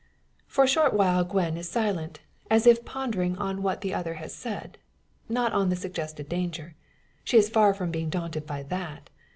For a short while Gwen is silent, as if pondering on what the other has said. Not on the suggested danger. She is far from being daunted by that.